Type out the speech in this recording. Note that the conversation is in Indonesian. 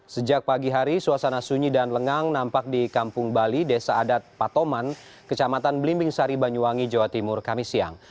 sejak pagi hari suasana sunyi dan lengang nampak di kampung bali desa adat patoman kecamatan belimbing sari banyuwangi jawa timur kami siang